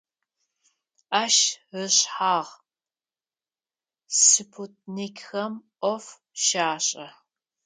Ащ ышъхьагъ спутникхэм Ӏоф щашӀэ.